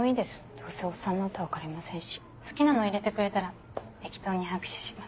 どうせおっさんの歌分かりませんし好きなの入れてくれたら適当に拍手します。